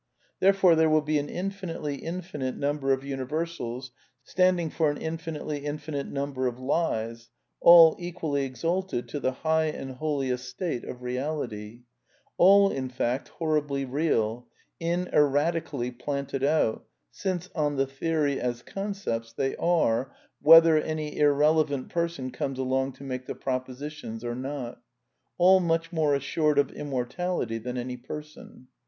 There , fore, there will be an infinitely infinite number of univer sals standing for an infinitely infinite number of lies, all equally exalted to the high and holy estate of reality ; all, in fact, horribly real, ineradically planted out, since (on the theory), as concepts, they are, whether any irrelevantX, person comes along to make the propositions or not; all^v much more assured of immortality than any person.